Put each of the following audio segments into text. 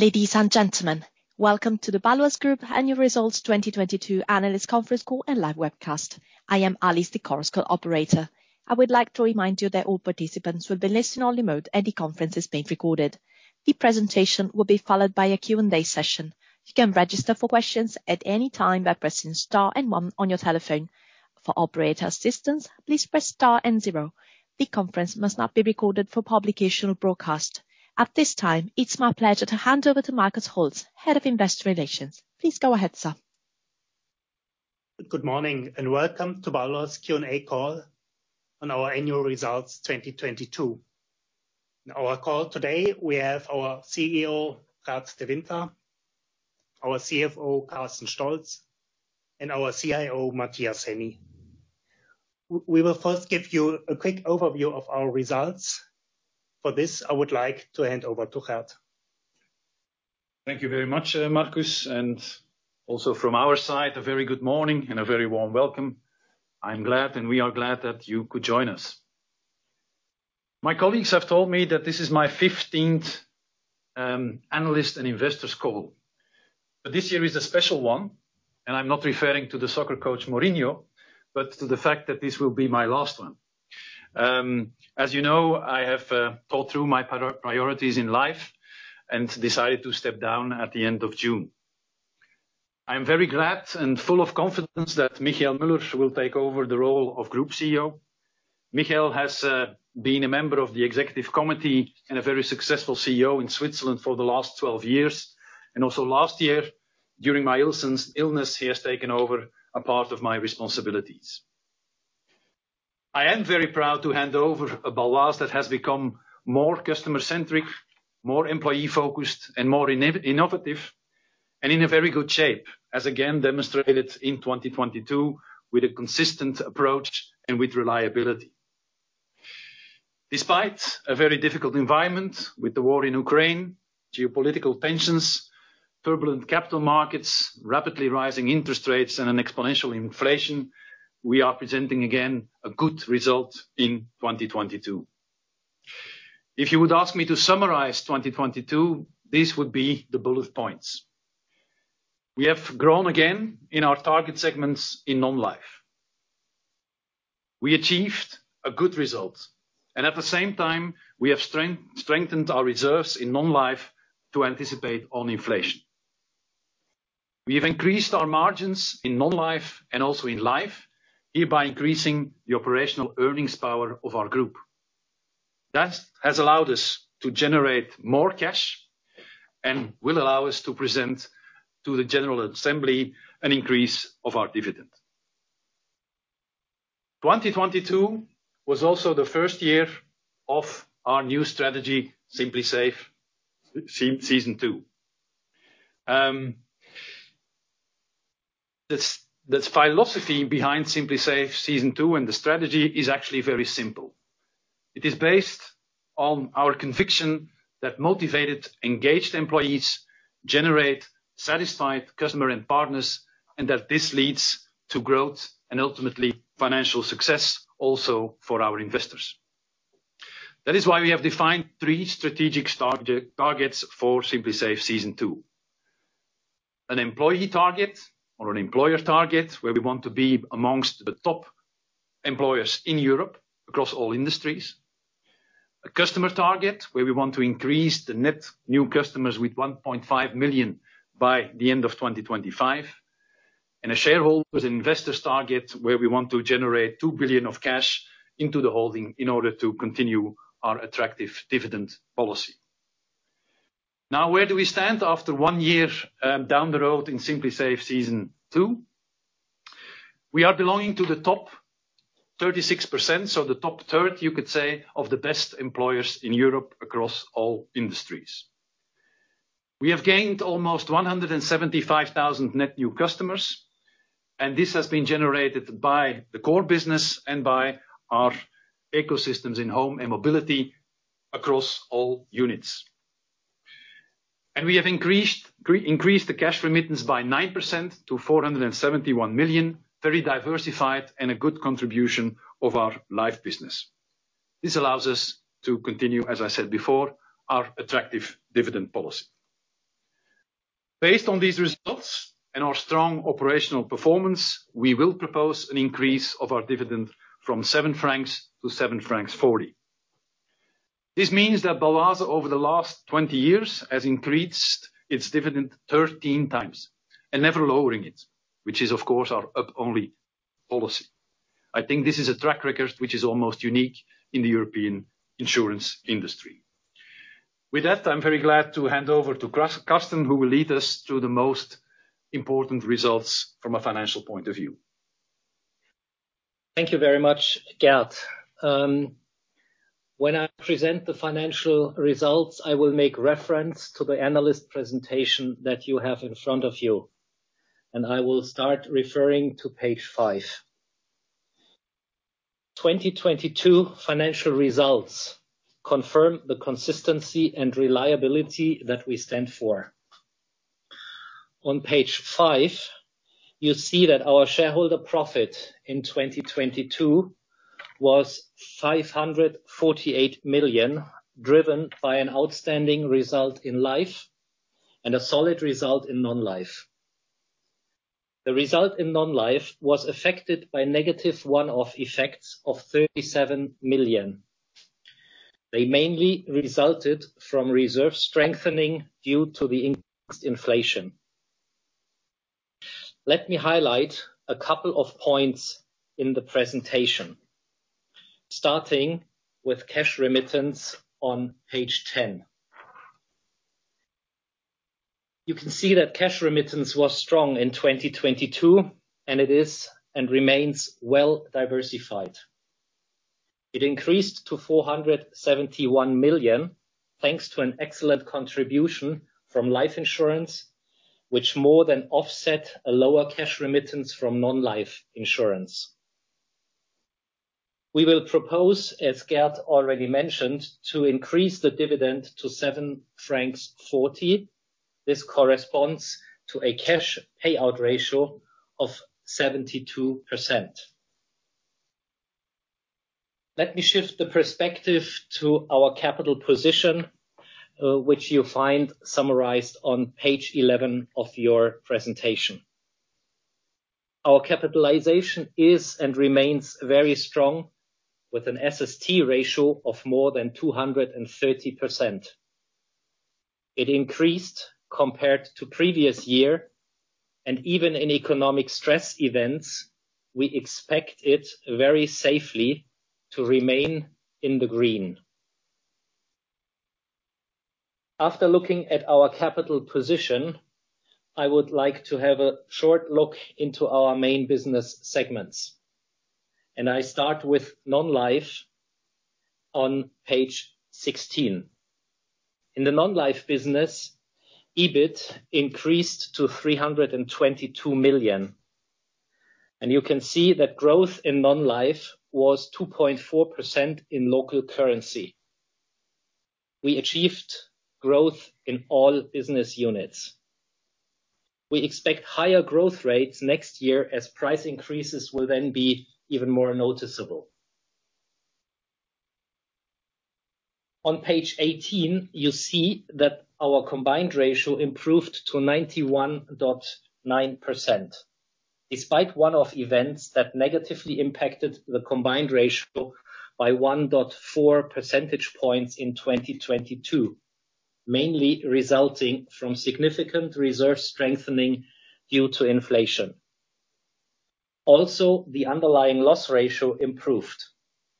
Ladies and gentlemen, welcome to the Baloise Group Annual Results 2022 Analyst Conference Call and live webcast. I am Alice, the conference call operator. I would like to remind you that all participants will be listening on remote, and the conference is being recorded. The presentation will be followed by a Q&A session. You can register for questions at any time by pressing star and one on your telephone. For operator assistance, please press star and zero. The conference must not be recorded for publication or broadcast. At this time, it's my pleasure to hand over to Markus Holtz, Head of Investor Relations. Please go ahead, sir. Good morning, welcome to Baloise Q&A call on our annual results 2022. In our call today, we have our CEO, Gert De Winter, our CFO, Carsten Stolz, and our CIO, Matthias Henny. We will first give you a quick overview of our results. For this, I would like to hand over to Gert. Thank you very much, Markus, and also from our side, a very good morning and a very warm welcome. I'm glad, and we are glad that you could join us. My colleagues have told me that this is my 15th analyst and investors call. This year is a special one, and I'm not referring to the soccer coach Mourinho, but to the fact that this will be my last one. As you know, I have thought through my priorities in life and decided to step down at the end of June. I'm very glad and full of confidence that Michael Müller will take over the role of Group CEO. Michael has been a member of the executive committee and a very successful CEO in Switzerland for the last 12 years. Also last year, during my illness, he has taken over a part of my responsibilities. I am very proud to hand over a Baloise that has become more customer-centric, more employee-focused and more innovative and in a very good shape, as again demonstrated in 2022 with a consistent approach and with reliability. Despite a very difficult environment with the war in Ukraine, geopolitical tensions, turbulent capital markets, rapidly rising interest rates and an exponential inflation, we are presenting again a good result in 2022. If you would ask me to summarize 2022, this would be the bullet points. We have grown again in our target segments in non-life. We achieved a good result, and at the same time, we have strengthened our reserves in non-life to anticipate on inflation. We have increased our margins in non-life and also in life, hereby increasing the operational earnings power of our group. That has allowed us to generate more cash and will allow us to present to the general assembly an increase of our dividend. 2022 was also the first year of our new strategy, Simply Safe Season 2. That's philosophy behind Simply Safe Season 2, and the strategy is actually very simple. It is based on our conviction that motivated, engaged employees generate satisfied customer and partners, and that this leads to growth and ultimately financial success also for our investors. That is why we have defined three strategic targets for Simply Safe Season 2. An employee target or an employer target, where we want to be amongst the top employers in Europe across all industries. A customer target, where we want to increase the net new customers with 1.5 million by the end of 2025. A shareholders investors target, where we want to generate 2 billion of cash into the holding in order to continue our attractive dividend policy. Where do we stand after 1 year down the road in Simply Safe: Season 2? We are belonging to the top 36%, so the top third, you could say, of the best employers in Europe across all industries. We have gained almost 175,000 net new customers, and this has been generated by the core business and by our ecosystems in home and mobility across all units. We have increased the cash remittance by 9% to 471 million, very diversified and a good contribution of our live business. This allows us to continue, as I said before, our attractive dividend policy. Based on these results and our strong operational performance, we will propose an increase of our dividend from 7 francs to 7.40 francs. This means that Baloise over the last 20 years has increased its dividend 13 times and never lowering it, which is, of course, our up only policy. I think this is a track record which is almost unique in the European insurance industry. With that, I'm very glad to hand over to Carsten, who will lead us through the most important results from a financial point of view. Thank you very much, Gert. When I present the financial results, I will make reference to the analyst presentation that you have in front of you. I will start referring to Page 5. 2022 financial results confirm the consistency and reliability that we stand for. On Page 5, you see that our shareholder profit in 2022 was 548 million, driven by an outstanding result in life and a solid result in non-life. The result in non-life was affected by negative one-off effects of 37 million. They mainly resulted from reserve strengthening due to the increased inflation. Let me highlight a couple of points in the presentation, starting with cash remittance on Page 10. You can see that cash remittance was strong in 2022, and it is and remains well-diversified. It increased to 471 million, thanks to an excellent contribution from life insurance, which more than offset a lower cash remittance from non-life insurance. We will propose, as Gert already mentioned, to increase the dividend to 7.40 francs. This corresponds to a cash payout ratio of 72%. Let me shift the perspective to our capital position, which you'll find summarized on Page 11 of your presentation. Our capitalization is and remains very strong, with an SST ratio of more than 230%. It increased compared to previous year, and even in economic stress events, we expect it very safely to remain in the green. After looking at our capital position, I would like to have a short look into our main business segments. I start with non-life on Page 16. In the non-life business, EBIT increased to 322 million. You can see that growth in non-life was 2.4% in local currency. We achieved growth in all business units. We expect higher growth rates next year as price increases will then be even more noticeable. On Page 18, you see that our combined ratio improved to 91.9%, despite one-off events that negatively impacted the combined ratio by 1.4 percentage points in 2022, mainly resulting from significant reserve strengthening due to inflation. The underlying loss ratio improved.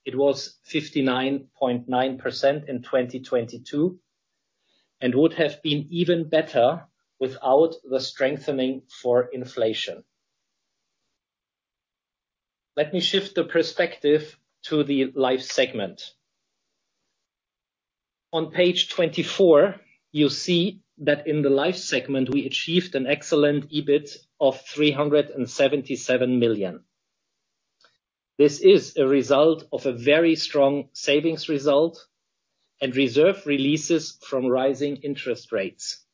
It was 59.9% in 2022 and would have been even better without the strengthening for inflation. Let me shift the perspective to the life segment. On Page 24, you see that in the life segment we achieved an excellent EBIT of 377 million. This is a result of a very strong savings result and reserve releases from rising interest rates.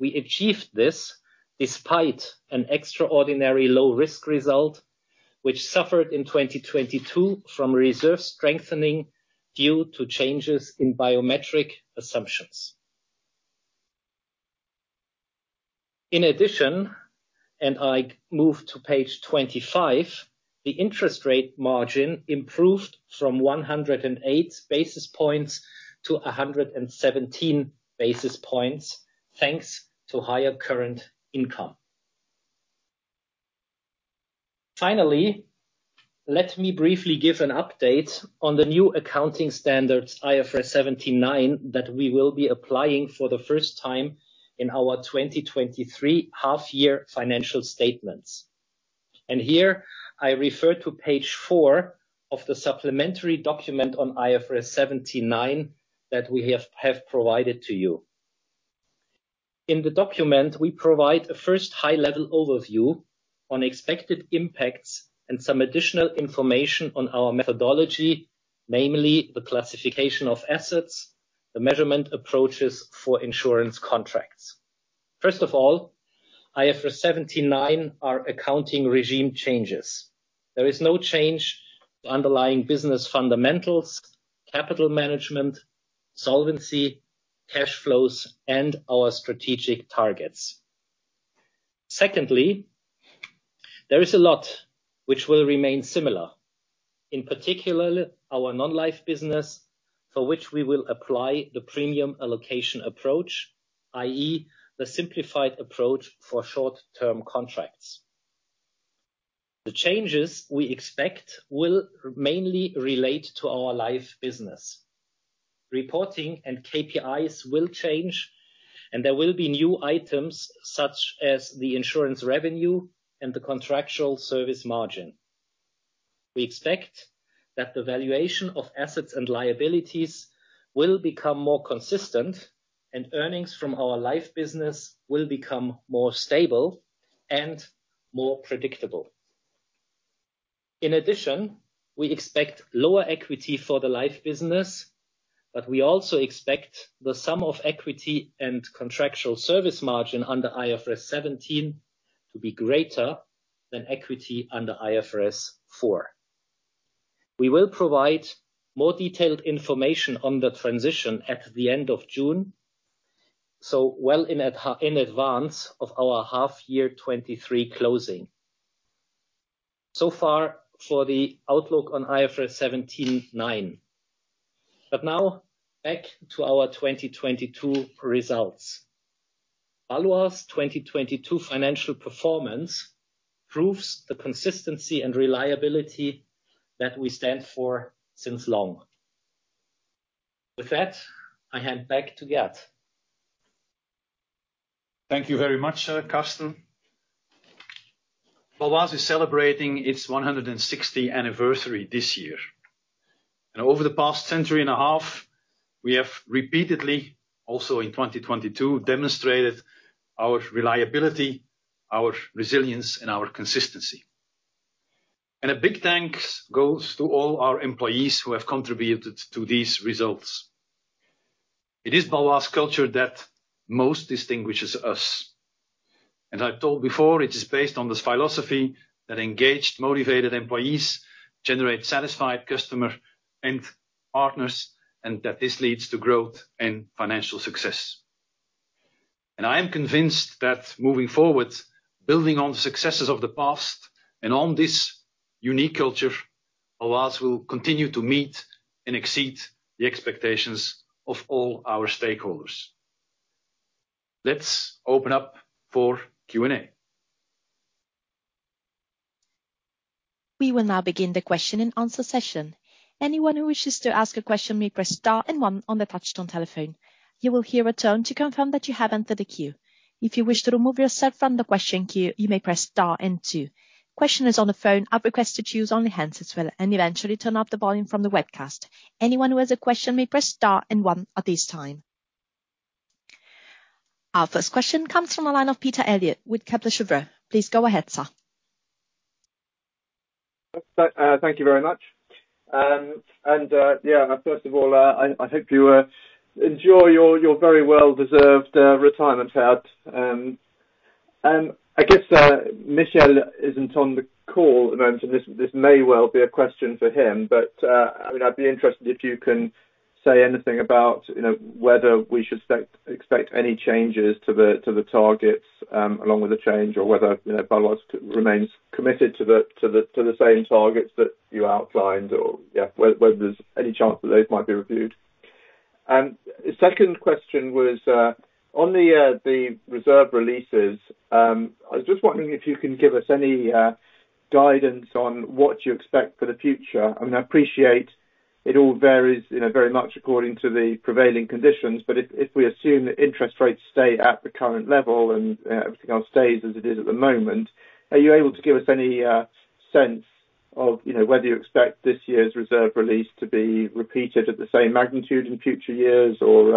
We achieved this despite an extraordinary low-risk result, which suffered in 2022 from reserve strengthening due to changes in biometric assumptions. In addition, I move to Page 25, the interest rate margin improved from 108 basis points to 117 basis points, thanks to higher current income. Finally, let me briefly give an update on the new accounting standards, IFRS 17/9, that we will be applying for the first time in our 2023 half-year financial statements. Here I refer to Page 4 of the supplementary document on IFRS 17/9 that we have provided to you. In the document, we provide a first high-level overview on expected impacts and some additional information on our methodology, namely the classification of assets, the measurement approaches for insurance contracts. First of all, IFRS 17/9 are accounting regime changes. There is no change to underlying business fundamentals, capital management, solvency, cash flows, and our strategic targets. Secondly, there is a lot which will remain similar. In particular, our non-life business, for which we will apply the premium allocation approach, i.e., the simplified approach for short-term contracts. The changes we expect will mainly relate to our life business. Reporting and KPIs will change, and there will be new items such as the insurance revenue and the contractual service margin. We expect that the valuation of assets and liabilities will become more consistent, and earnings from our life business will become more stable and more predictable. In addition, we expect lower equity for the life business, but we also expect the sum of equity and contractual service margin under IFRS 17 to be greater than equity under IFRS 4. We will provide more detailed information on the transition at the end of June, so well in advance of our half year 23 closing. Far for the outlook on IFRS 17/9. Now back to our 2022 results. Baloise 2022 financial performance proves the consistency and reliability that we stand for since long. With that, I hand back to Gert. Thank you very much, Carsten. Baloise is celebrating its 160 anniversary this year. Over the past century and a half, we have repeatedly, also in 2022, demonstrated our reliability, our resilience, and our consistency. A big thanks goes to all our employees who have contributed to these results. It is Baloise culture that most distinguishes us. I've told before, it is based on this philosophy that engaged, motivated employees generate satisfied customer and partners, and that this leads to growth and financial success. I am convinced that moving forward, building on the successes of the past and on this unique culture, Baloise will continue to meet and exceed the expectations of all our stakeholders. Let's open up for Q&A. We will now begin the question and answer session. Anyone who wishes to ask a question may press star and 1 on the touchtone telephone. You will hear a tone to confirm that you have entered the queue. If you wish to remove yourself from the question queue, you may press star and 2. Questioners on the phone are requested to use only hands as well, and eventually turn up the volume from the webcast. Anyone who has a question may press star and 1 at this time. Our first question comes from a line of Peter Eliot with Kepler Cheuvreux. Please go ahead, sir. Thank you very much. Yeah, first of all, I hope you enjoy your very well-deserved retirement, Gert. I guess Michelle isn't on the call at the moment, and this may well be a question for him, I mean, I'd be interested if you can say anything about, you know, whether we should expect any changes to the targets along with the change or whether, you know, Baloise remains committed to the same targets that you outlined or, yeah, whether there's any chance that those might be reviewed. Second question was on the reserve releases, I was just wondering if you can give us any guidance on what you expect for the future. I mean, I appreciate it all varies, you know, very much according to the prevailing conditions. If we assume that interest rates stay at the current level and everything else stays as it is at the moment, are you able to give us any sense of, you know, whether you expect this year's reserve release to be repeated at the same magnitude in future years or,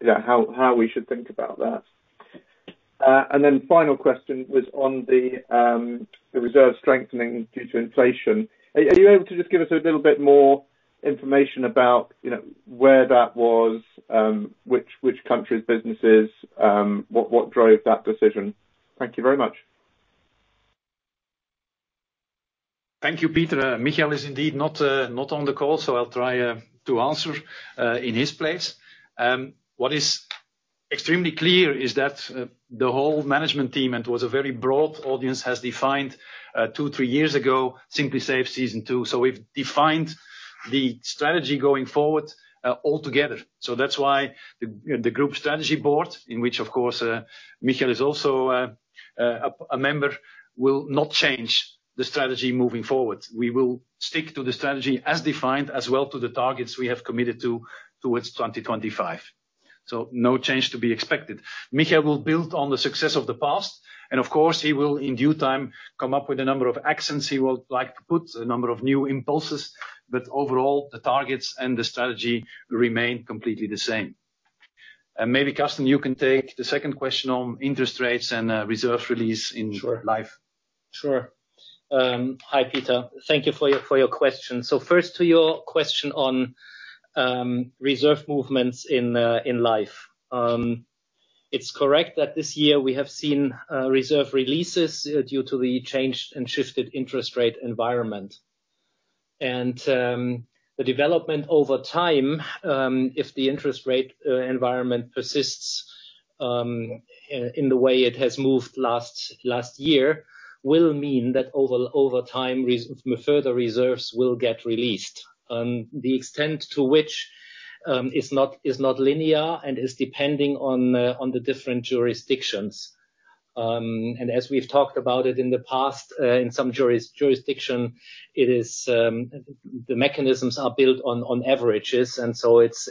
you know, how we should think about that? Final question was on the reserve strengthening due to inflation. Are you able to just give us a little bit more information about, you know, where that was, which country's businesses, what drove that decision? Thank you very much. Thank you, Peter. Michel is indeed not on the call, so I'll try to answer in his place. What is extremely clear is that the whole management team, and it was a very broad audience, has defined 2, 3 years ago, Simply Safe: Season 2. We've defined the strategy going forward all together. That's why the, you know, the Group Strategic Council, in which, of course, Michel is also a member, will not change the strategy moving forward. We will stick to the strategy as defined, as well to the targets we have committed to towards 2025. No change to be expected. Michel will build on the success of the past, and of course, he will, in due time, come up with a number of actions he would like to put, a number of new impulses. Overall, the targets and the strategy remain completely the same. Maybe, Carsten, you can take the second question on interest rates and reserve release. Sure. Life. Sure. Hi, Peter. Thank you for your question. First to your question on reserve movements in in Life. It's correct that this year we have seen reserve releases due to the changed and shifted interest rate environment. The development over time if the interest rate environment persists in the way it has moved last year, will mean that over time, further reserves will get released. The extent to which is not linear and is depending on the different jurisdictions. As we've talked about it in the past, in some jurisdiction, it is the mechanisms are built on averages, and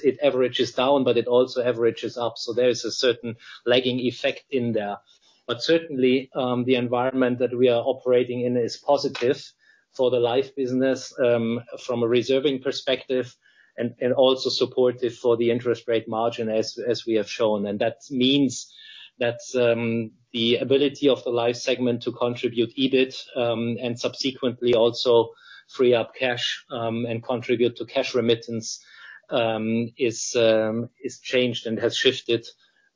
it averages down, but it also averages up. There is a certain lagging effect in there. Certainly, the environment that we are operating in is positive for the Life business, from a reserving perspective and also supportive for the interest rate margin as we have shown. That's the ability of the life segment to contribute EBIT, and subsequently also free up cash, and contribute to cash remittance, is changed and has shifted,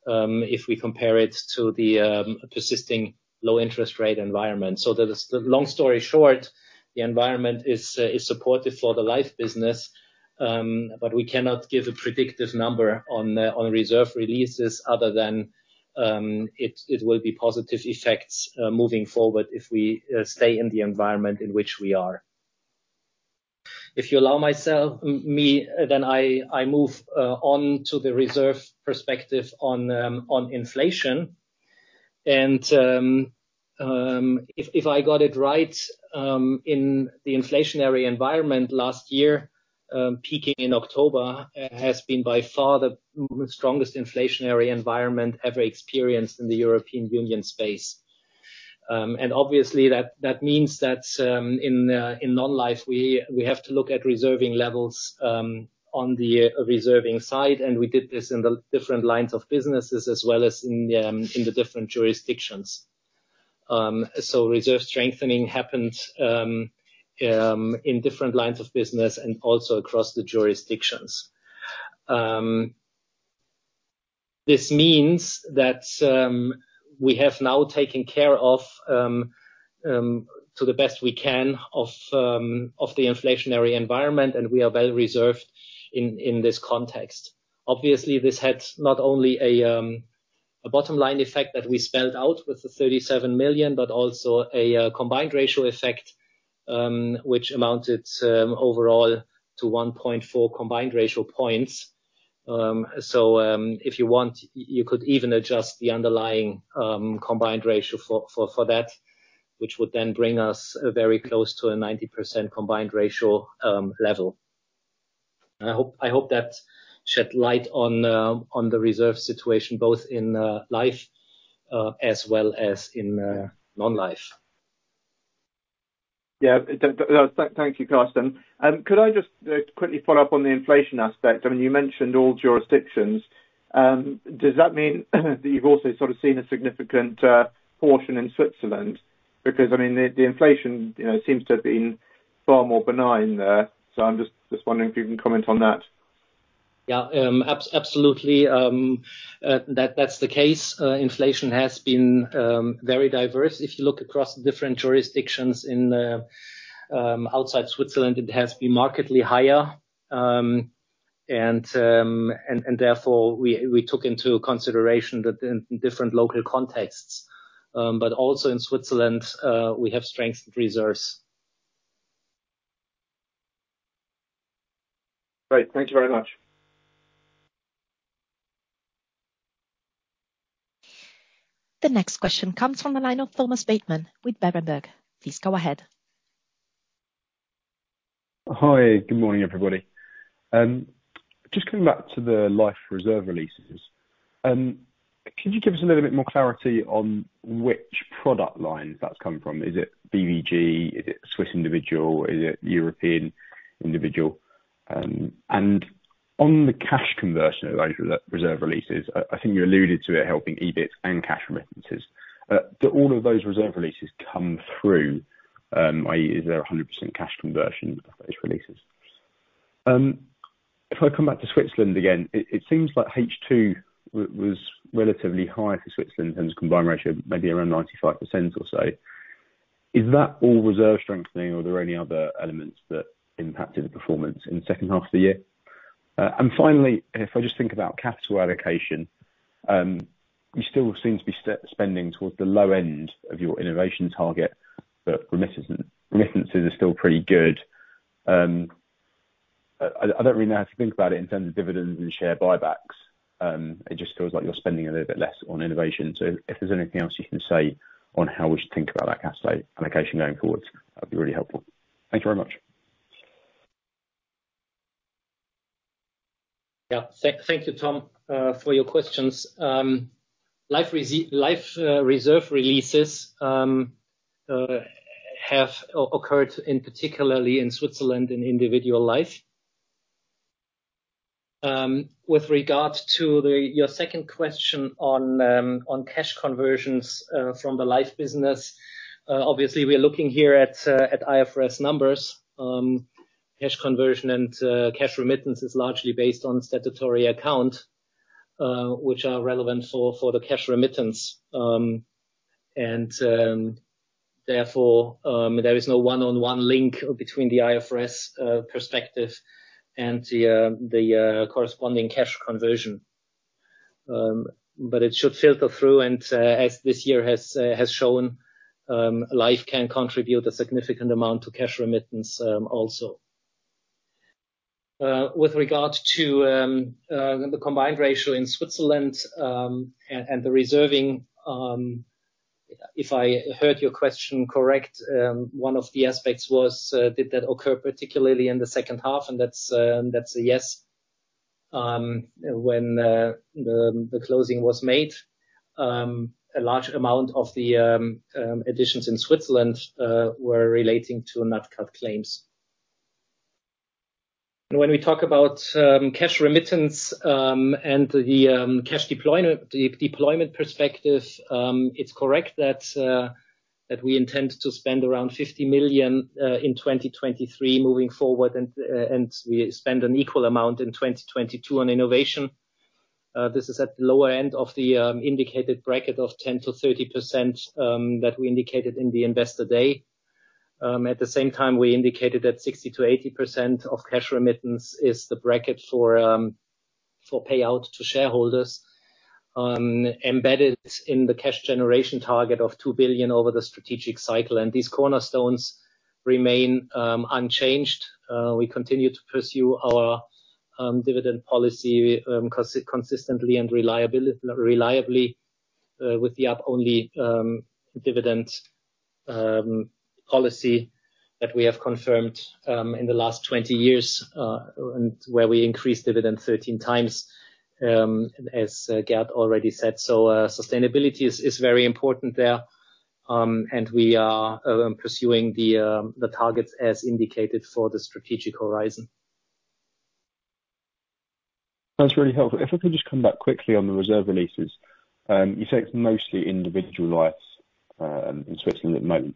if we compare it to the persisting low-interest rate environment. Long story short, the environment is supportive for the life business, but we cannot give a predictive number on reserve releases other than it will be positive effects moving forward if we stay in the environment in which we are. If you allow me, I move on to the reserve perspective on inflation. If I got it right, in the inflationary environment last year, peaking in October, has been by far the strongest inflationary environment ever experienced in the European Union space. Obviously, that means that in non-life, we have to look at reserving levels on the reserving side, and we did this in the different lines of businesses as well as in the different jurisdictions. Reserve strengthening happened in different lines of business and also across the jurisdictions. This means that we have now taken care of to the best we can of the inflationary environment, and we are well reserved in this context. Obviously, this had not only a bottom line effect that we spelled out with the 37 million, but also a combined ratio effect, which amounted overall to 1.4 combined ratio points. If you want, you could even adjust the underlying combined ratio for that, which would then bring us very close to a 90% combined ratio level. I hope that shed light on the reserve situation, both in life as well as in non-life. Yeah. thank you, Carsten. Could I just quickly follow up on the inflation aspect? I mean, you mentioned all jurisdictions. Does that mean you've also sort of seen a significant portion in Switzerland? Because, I mean, the inflation, you know, seems to have been far more benign there, so I'm just wondering if you can comment on that. Yeah. Absolutely, that's the case. Inflation has been very diverse. If you look across different jurisdictions outside Switzerland, it has been markedly higher. Therefore, we took into consideration that in different local contexts. Also in Switzerland, we have strengthened reserves. Great. Thank you very much. The next question comes from the line of Thomas Bateman with Berenberg. Please go ahead. Hi. Good morning, everybody. Just coming back to the life reserve releases. Could you give us a little bit more clarity on which product lines that's come from? Is it BVG? Is it Swiss individual? Is it European individual? On the cash conversion of those re-reserve releases, I think you alluded to it helping EBIT and cash remittances. Do all of those reserve releases come through? i.e., is there a 100% cash conversion of those releases? If I come back to Switzerland again, it seems like H2 was relatively high for Switzerland in terms of combined ratio, maybe around 95% or so. Is that all reserve strengthening or are there any other elements that impacted the performance in the second half of the year? Finally, if I just think about capital allocation, you still seem to be spending towards the low end of your innovation target. Remittances are still pretty good. I don't really know how to think about it in terms of dividends and share buybacks. It just feels like you're spending a little bit less on innovation. If there's anything else you can say on how we should think about that cash flow allocation going forwards, that'd be really helpful. Thank you very much. Thank you, Tom, for your questions. Life reserve releases have occurred in, particularly in Switzerland in individual life. With regard to your second question on cash conversions from the life business, obviously we are looking here at IFRS numbers. Cash conversion and cash remittance is largely based on statutory account, which are relevant for the cash remittance. Therefore, there is no one-on-one link between the IFRS perspective and the corresponding cash conversion. It should filter through, and as this year has shown, life can contribute a significant amount to cash remittance also. With regard to the combined ratio in Switzerland, and the reserving, if I heard your question correct, one of the aspects was, did that occur particularly in the second half? That's a yes. When the closing was made, a large amount of the additions in Switzerland were relating to nat cat claims. When we talk about cash remittance, and the cash deployment perspective, it's correct that we intend to spend around 50 million in 2023 moving forward, and we spend an equal amount in 2022 on innovation. This is at the lower end of the indicated bracket of 10%-30% that we indicated in the Investor Day. At the same time, we indicated that 60%-80% of cash remittance is the bracket for payout to shareholders, embedded in the cash generation target of 2 billion over the strategic cycle. These cornerstones remain unchanged. We continue to pursue our dividend policy consistently and reliably, with the up only dividend policy that we have confirmed in the last 20 years, and where we increased dividend 13 times as Gert already said. Sustainability is very important there, and we are pursuing the targets as indicated for the strategic horizon. That's really helpful. If I could just come back quickly on the reserve releases. You said it's mostly individual lives, in Switzerland at the moment.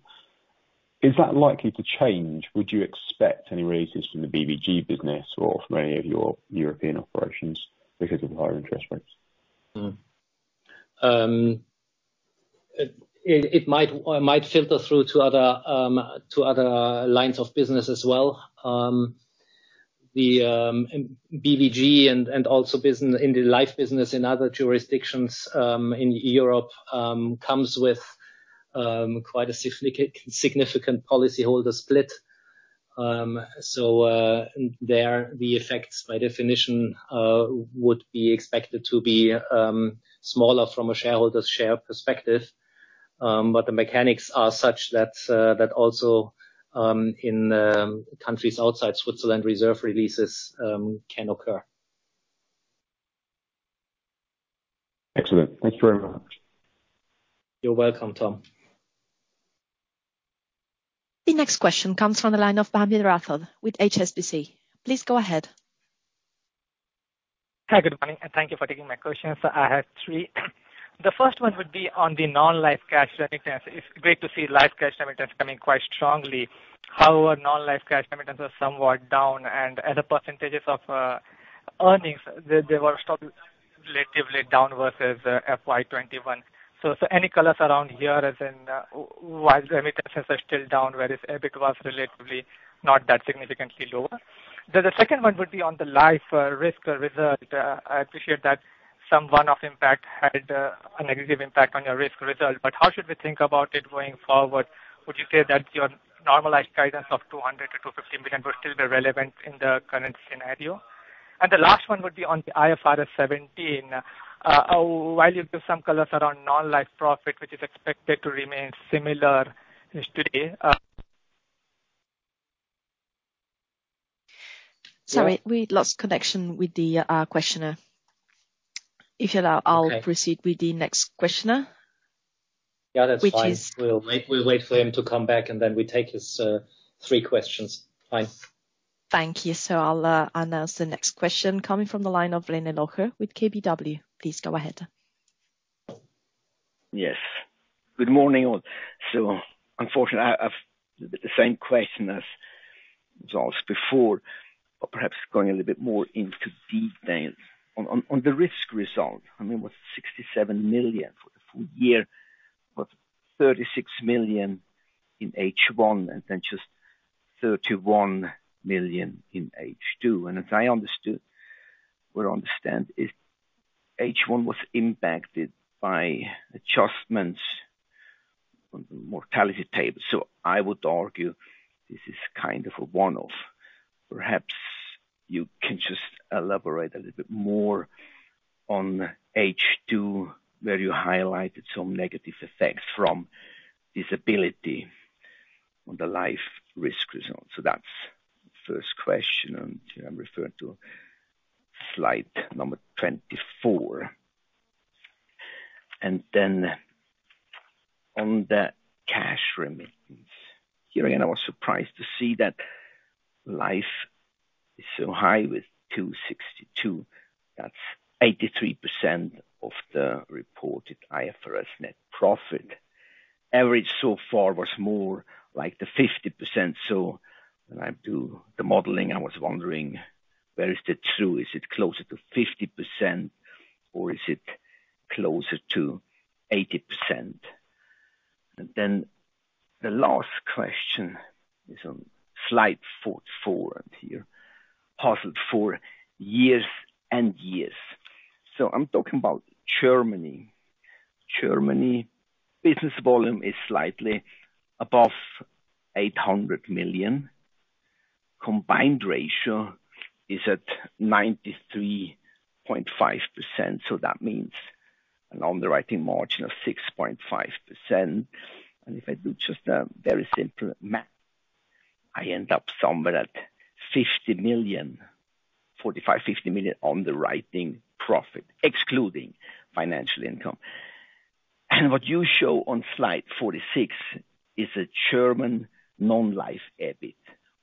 Is that likely to change? Would you expect any releases from the BVG business or from any of your European operations because of higher interest rates? It might filter through to other lines of business as well. The BVG and also business, in the life business in other jurisdictions in Europe, comes with quite a significant policyholder split. There, the effects, by definition, would be expected to be smaller from a shareholder's share perspective. The mechanics are such that also in countries outside Switzerland, reserve releases can occur. Excellent. Thank you very much. You're welcome, Thomas. The next question comes from the line of Bhavin Rathod with HSBC. Please go ahead. Hi, good morning. Thank you for taking my questions. I have 3. The first one would be on the non-life cash remittance. It's great to see life cash remittance coming quite strongly. However, non-life cash remittance are somewhat down, and as a % of earnings, they were still relatively down versus FY 21. Any colors around here, as in, while remittances are still down, whereas EBIT was relatively not that significantly lower? The second one would be on the life risk result. I appreciate that some one-off impact had a negative impact on your risk result, but how should we think about it going forward? Would you say that your normalized guidance of 200 billion-250 billion would still be relevant in the current scenario? The last one would be on the IFRS 17. While you give some colors around non-life profit, which is expected to remain similar as today. Sorry, we lost connection with the questioner. Okay. I'll proceed with the next questioner. Yeah, that's fine. Which is- We'll wait for him to come back, and then we take his 3 questions. Fine. Thank you. I'll announce the next question coming from the line of René Locher with KBW. Please go ahead. Yes. Good morning, all. Unfortunately, I have the same question as was asked before but perhaps going a little bit more into detail. On the risk result, I mean, it was 67 million for the full year, but 36 million in H1, and then just 31 million in H2. As I understood or understand, H1 was impacted by adjustments on the mortality table. I would argue this is kind of a one-off. Perhaps you can just elaborate a little bit more on H2, where you highlighted some negative effects from disability on the life risk result. That's the first question, and I'm referring to Slide 24. Then on the cash remittance. Here, again, I was surprised to see that life is so high with 262. That's 83% of the reported IFRS net profit. Average so far was more like the 50%. When I do the modeling, I was wondering where is the true, is it closer to 50% or is it closer to 80%? The last question is on Slide 44. Here puzzled for years and years. I'm talking about Germany. Germany business volume is slightly above 800 million. Combined ratio is at 93.5%. That means an underwriting margin of 6.5%. If I do just a very simple, I end up somewhere at 50 million, 45-50 million underwriting profit, excluding financial income. What you show on Slide 46 is a German non-life EBIT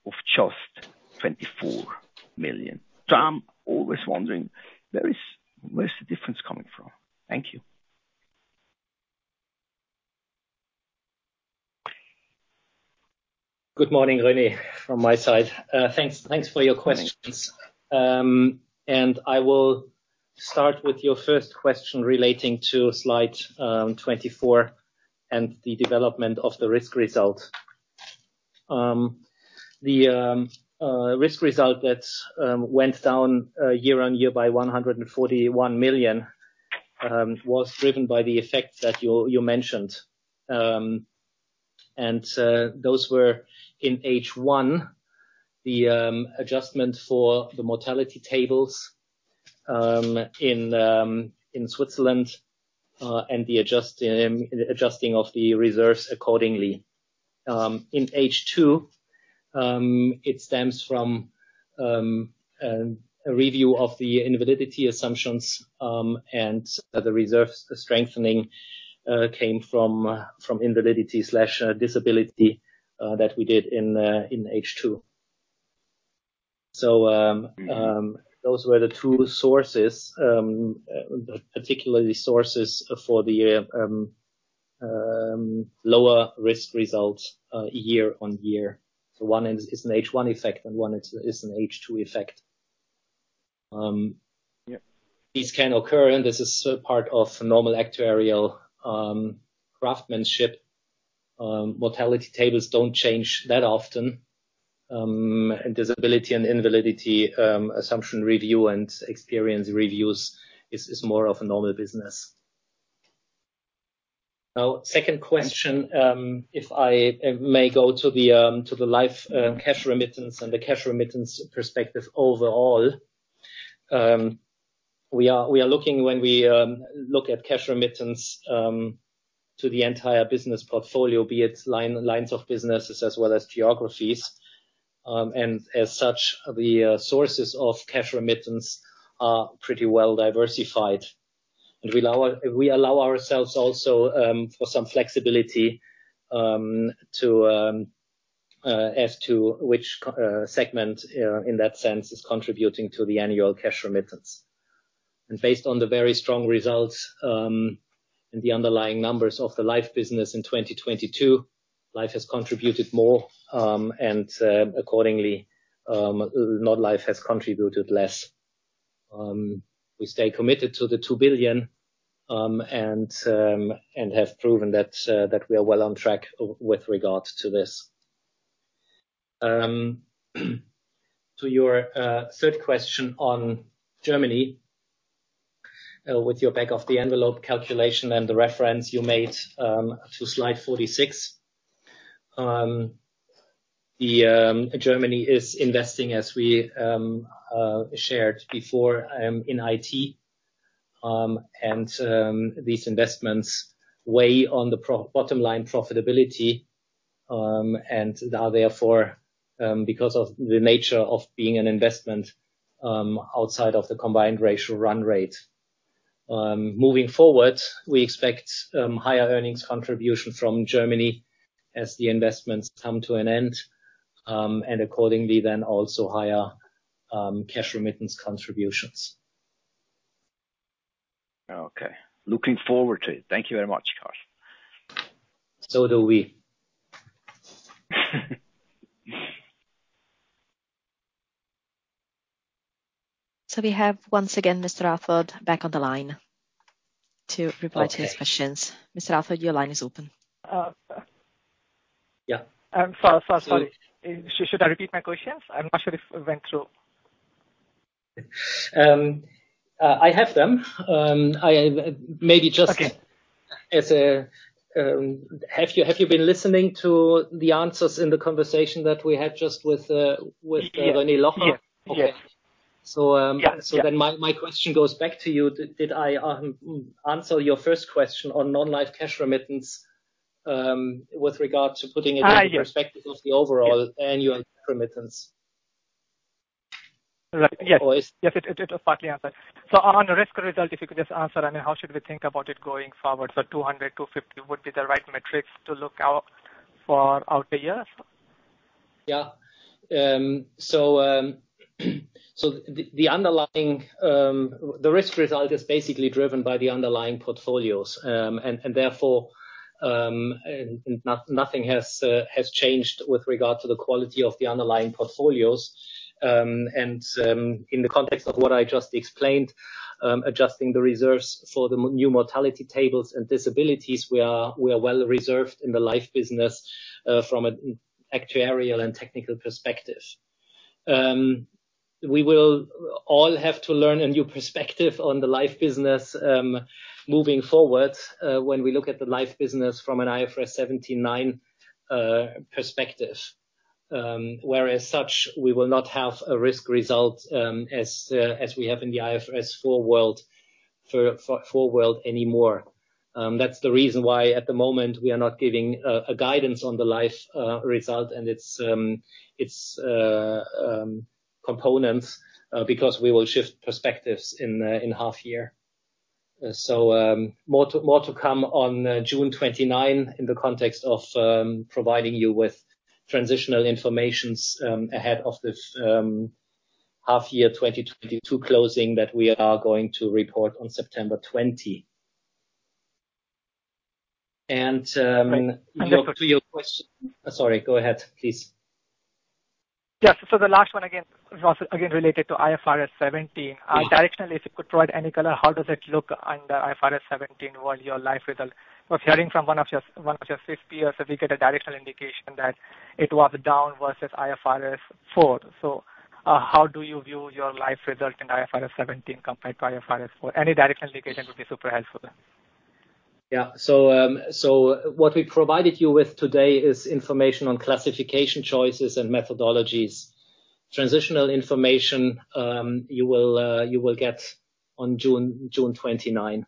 of just 24 million. I'm always wondering, where is the difference coming from? Thank you. Good morning, René, from my side. Thanks for your questions. I will start with your first question relating to Slide 24 and the development of the risk result. The risk result that went down year-on-year by 141 million was driven by the effects that you mentioned. Those were in H1, the adjustment for the mortality tables in Switzerland, and the adjusting of the reserves accordingly. In H2, it stems from a review of the invalidity assumptions, and other reserves strengthening came from invalidity/disability that we did in H2. So. Mm-hmm ...those were the two sources, particularly sources for the lower risk results year-on-year. One is an H-one effect, and one is an H-two effect. Yeah ...these can occur, and this is part of normal actuarial craftsmanship. Mortality tables don't change that often. Disability and invalidity assumption review and experience reviews is more of a normal business. Second question, if I may go to the life cash remittance and the cash remittance perspective overall. We are looking when we look at cash remittance to the entire business portfolio, be it lines of businesses as well as geographies. As such, the sources of cash remittance are pretty well diversified. We allow ourselves also for some flexibility to as to which segment in that sense is contributing to the annual cash remittance. Based on the very strong results, and the underlying numbers of the life business in 2022, life has contributed more, and accordingly, not life has contributed less. We stay committed to the 2 billion and have proven that we are well on track with regard to this. To your third question on Germany, with your back of the envelope calculation and the reference you made to Slide 46. Germany is investing, as we shared before, in IT. These investments weigh on the bottom-line profitability, and are therefore, because of the nature of being an investment, outside of the combined ratio run rate. Moving forward, we expect higher earnings contribution from Germany as the investments come to an end, accordingly then also higher cash remittance contributions. Okay. Looking forward to it. Thank you very much, Carlos. Do we. We have, once again, Mr. Rathod back on the line to report his questions. Mr. Rathod, your line is open. Uh. Yeah. Sorry. Should I repeat my questions? I'm not sure if it went through. I have them. I, maybe just- Okay. As, have you been listening to the answers in the conversation that we had just with? Yeah... René Locher? Yeah. Yeah. Okay. Yeah, yeah. My question goes back to you. Did I answer your first question on non-life cash remittance with regard to putting it-? Yes. in the perspective of the overall annual remittance? Yes. Or is- Yes, it partly answered. On the risk result, if you could just answer, I mean, how should we think about it going forward? 200-250 would be the right metrics to look out for out the year? The underlying risk result is basically driven by the underlying portfolios. Therefore, nothing has changed with regard to the quality of the underlying portfolios. In the context of what I just explained, adjusting the reserves for the new mortality tables and disabilities, we are well reserved in the life business from an actuarial and technical perspective. We will all have to learn a new perspective on the life business moving forward, when we look at the life business from an IFRS 17 nine perspective, where as such, we will not have a risk result, as we have in the IFRS 4 world anymore. That's the reason why at the moment we are not giving a guidance on the life result and its components because we will shift perspectives in half year. More to come on June 29 in the context of providing you with transitional informations ahead of this half year 2022 closing that we are going to report on September 20. And- To your question. Sorry, go ahead, please. Yes. The last one again. It was, again, related to IFRS 17. Yes. Directionally, if you could provide any color, how does it look under IFRS 17, what your life result? Was hearing from one of your CFOs that we get a directional indication that it was down versus IFRS 4. How do you view your life result in IFRS 17 compared to IFRS 4? Any directional indication would be super helpful. Yeah. What we provided you with today is information on classification choices and methodologies. Transitional information, you will get on June 29.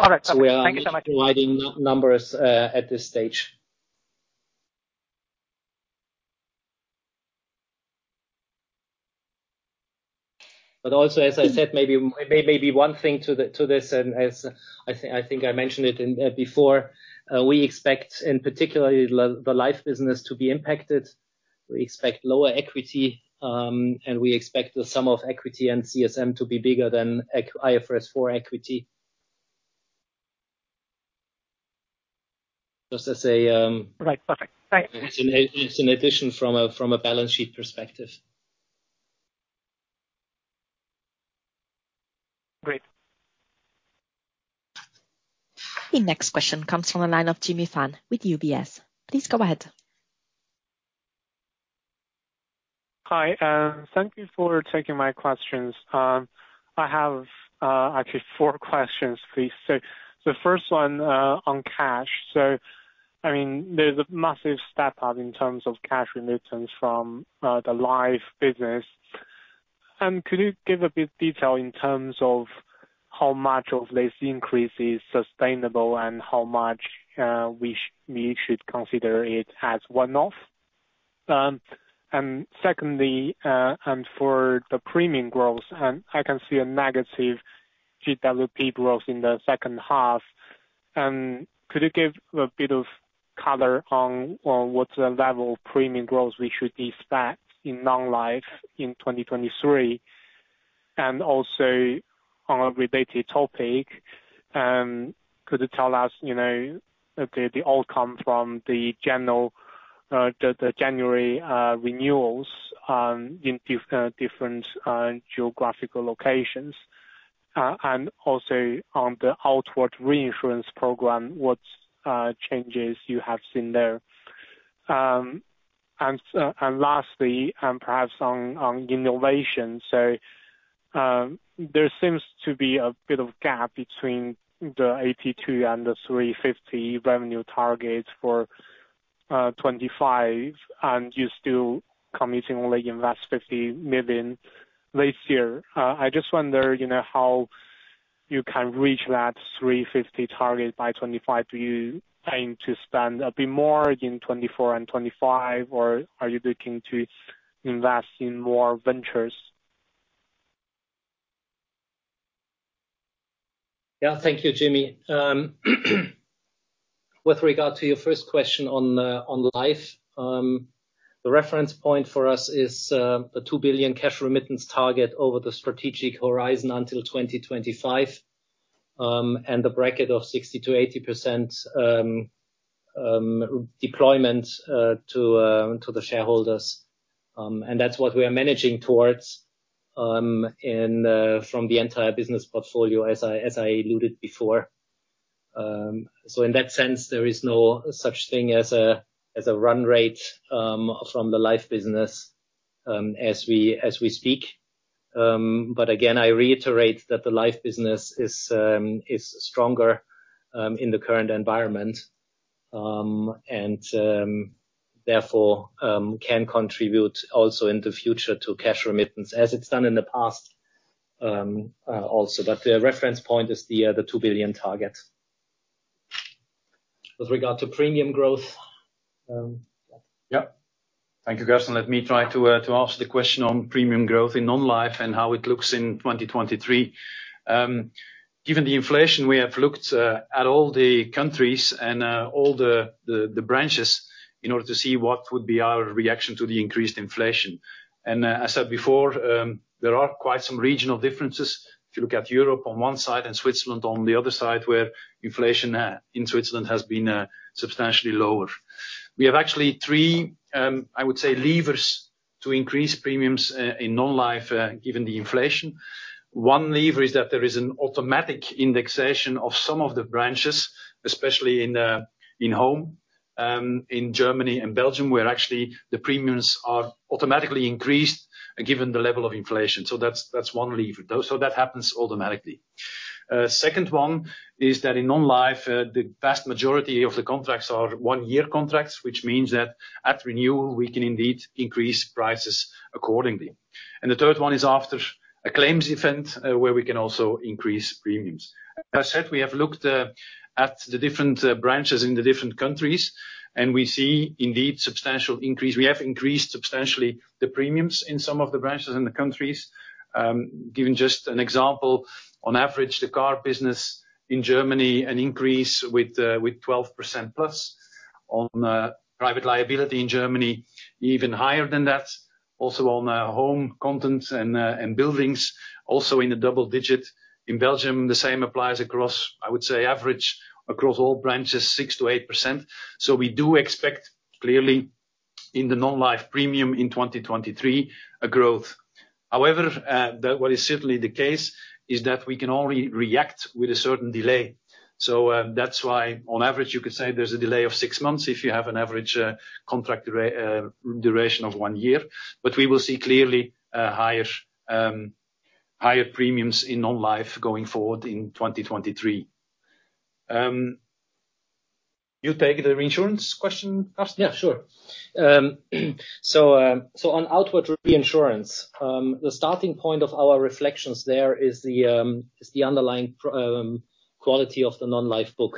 All right. Perfect. Thank you so much. We are not providing numbers at this stage. Also, as I said, maybe one thing to this, and as I think I mentioned it in before, we expect, and particularly the life business to be impacted. We expect lower equity, and we expect the sum of equity and CSM to be bigger than IFRS 4 equity. Just as a. Right. Perfect. Thanks. it's an addition from a balance sheet perspective. Great. The next question comes from the line of Jimmy Fan with UBS. Please go ahead. Hi. Thank you for taking my questions. I have actually four questions, please. The first one on cash. I mean, there's a massive step up in terms of cash remittance from the life business. Could you give a bit detail in terms of how much of this increase is sustainable and how much we should consider it as one-off? Secondly, for the premium growth, I can see a negative GWP growth in the second half. Could you give a bit of color on what's the level of premium growth we should expect in non-life in 2023? Also on a related topic, could you tell us, you know, the outcome from the general, the January renewals in different geographical locations? Also on the outward reinsurance program, what changes you have seen there? Lastly, perhaps on innovation. There seems to be a bit of gap between the 82 million and the 350 million revenue targets for 2025, and you're still committing only invest 50 million this year. I just wonder, you know, how you can reach that 350 million target by 2025. Do you plan to spend a bit more in 2024 and 2025, or are you looking to invest in more ventures? Yeah. Thank you, Jimmy. With regard to your first question on on life, the reference point for us is the 2 billion cash remittance target over the strategic horizon until 2025, and a bracket of 60%-80% deployment to the shareholders. That's what we are managing towards in from the entire business portfolio, as I alluded before. In that sense, there is no such thing as a run rate from the life business as we speak. Again, I reiterate that the life business is stronger in the current environment, and therefore, can contribute also in the future to cash remittance as it's done in the past also. The reference point is the 2 billion target. With regard to premium growth, Yeah. Thank you, Carsten. Let me try to answer the question on premium growth in non-life and how it looks in 2023. Given the inflation, we have looked at all the countries and all the, the branches in order to see what would be our reaction to the increased inflation. As I said before, there are quite some regional differences. If you look at Europe on one side and Switzerland on the other side, where inflation in Switzerland has been substantially lower. We have actually 3, I would say levers to increase premiums in non-life given the inflation. One lever is that there is an automatic indexation of some of the branches, especially in home, in Germany and Belgium, where actually the premiums are automatically increased given the level of inflation. That's one lever. That happens automatically. Second one is that in non-life, the vast majority of the contracts are one-year contracts, which means that at renewal, we can indeed increase prices accordingly. The third one is after a claims event, where we can also increase premiums. As I said, we have looked at the different branches in the different countries, and we see indeed substantial increase. We have increased substantially the premiums in some of the branches in the countries. Giving just an example, on average, the car business in Germany, an increase with 12%+. On private liability in Germany, even higher than that. Also, on home contents and buildings, also in the double digit. In Belgium, the same applies across, I would say, average across all branches, 6%-8%. We do expect, clearly, in the non-life premium in 2023, a growth. However, what is certainly the case is that we can only react with a certain delay. That's why on average you could say there's a delay of six months if you have an average contract duration of 1 year. We will see clearly higher premiums in non-life going forward in 2023. You take the reinsurance question, Carsten? Yeah, sure. On outward reinsurance, the starting point of our reflections there is the underlying pro quality of the non-life book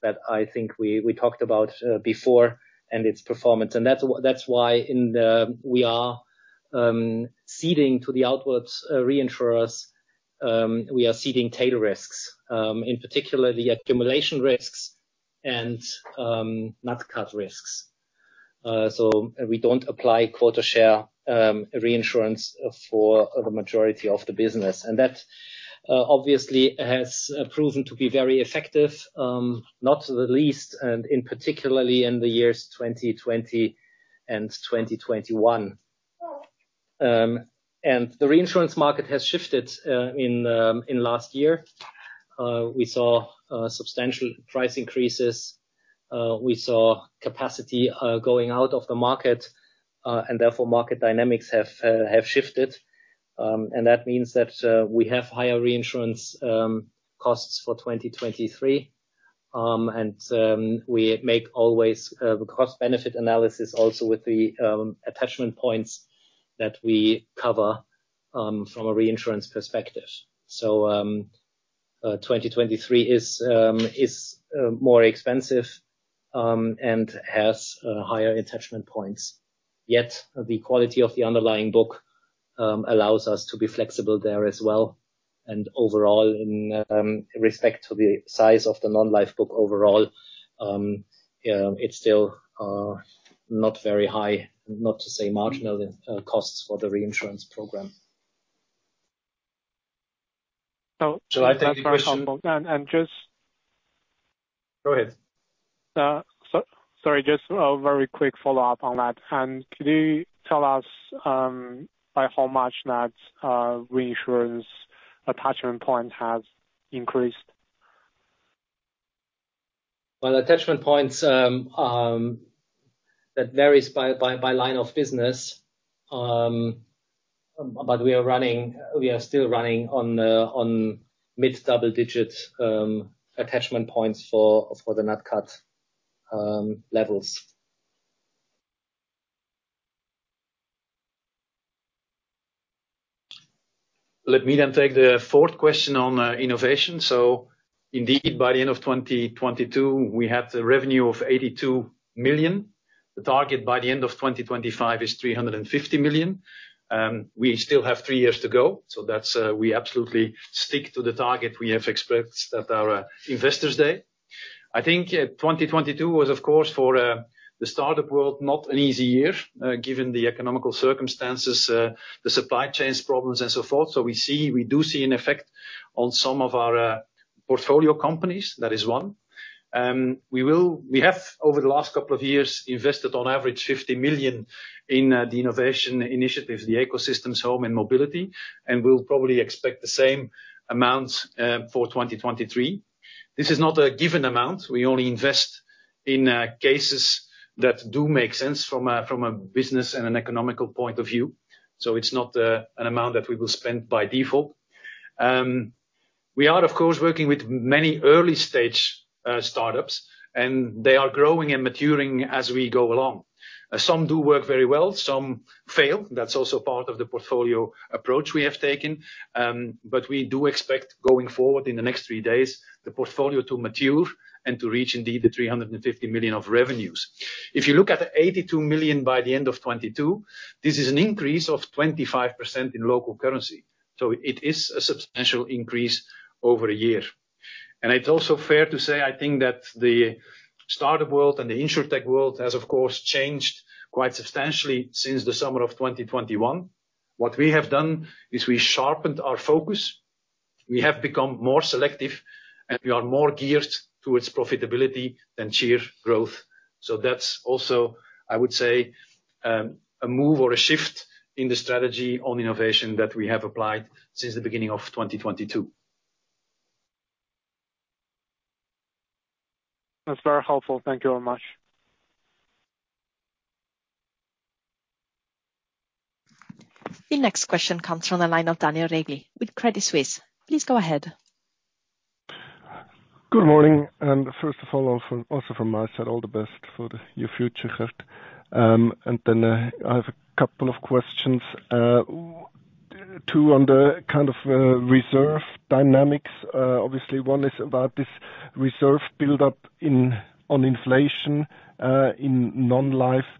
that I think we talked about before and its performance. That's why we are ceding to the outwards reinsurers, we are ceding tail risks. In particular the accumulation risks and nat cat risks. We don't apply quota share reinsurance for the majority of the business. That obviously has proven to be very effective, not the least, and in particularly in the years 2020 and 2021. The reinsurance market has shifted in last year. We saw substantial price increases. We saw capacity going out of the market, therefore market dynamics have shifted. That means that we have higher reinsurance costs for 2023. We make always cost-benefit analysis also with the attachment points that we cover from a reinsurance perspective. 2023 is more expensive and has higher attachment points. Yet, the quality of the underlying book allows us to be flexible there as well. Overall in respect to the size of the non-life book overall, you know, it's still not very high, not to say marginal, costs for the reinsurance program. So- Shall I take the question? just... Go ahead. Sorry, just a very quick follow-up on that. Could you tell us, by how much that reinsurance attachment point has increased? Well, attachment points, that varies by line of business. We are still running on mid double digits, attachment points for the nat cat levels. Let me take the fourth question on innovation. Indeed, by the end of 2022, we have the revenue of 82 million. The target by the end of 2025 is 350 million. We still have three years to go, that's we absolutely stick to the target we have expressed at our investors day. I think, 2022 was of course for the startup world not an easy year, given the economical circumstances, the supply chains problems and so forth. We do see an effect on some of our portfolio companies. That is one. We have, over the last couple of years, invested on average 50 million in the innovation initiatives, the ecosystems home and mobility, and we'll probably expect the same amount for 2023. This is not a given amount. We only invest in cases that do make sense from a business and an economical point of view. It's not an amount that we will spend by default. We are of course working with many early stage startups, and they are growing and maturing as we go along. Some do work very well, some fail. That's also part of the portfolio approach we have taken. We do expect going forward in the next 3 days, the portfolio to mature and to reach indeed the 350 million of revenues. If you look at the 82 million by the end of 2022, this is an increase of 25% in local currency, so it is a substantial increase over a year. It's also fair to say, I think that the startup world and the insurtech world has of course changed quite substantially since the summer of 2021. What we have done is we sharpened our focus. We have become more selective, and we are more geared towards profitability than sheer growth. That's also, I would say, a move or a shift in the strategy on innovation that we have applied since the beginning of 2022. That's very helpful. Thank you very much. The next question comes from the line of Daniel Regli with Credit Suisse. Please go ahead. Good morning. First of all, also from my side, all the best for your future, Gert. Then, I have a couple of questions. Two on the kind of reserve dynamics. Obviously, one is about this reserve buildup in, on inflation, in non-life.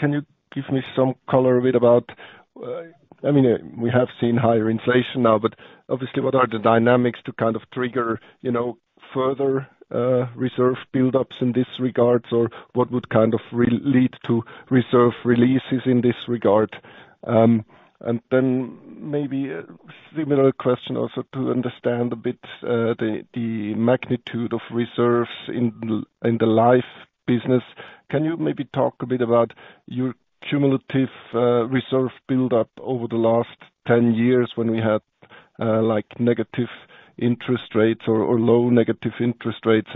Can you give me some color a bit about, I mean, we have seen higher inflation now, but obviously, what are the dynamics to kind of trigger, you know, further reserve buildups in this regard? What would kind of re-lead to reserve releases in this regard? Then maybe a similar question also to understand a bit the magnitude of reserves in the life business. Can you maybe talk a bit about your cumulative reserve buildup over the last 10 years when we had like negative interest rates or low negative interest rates?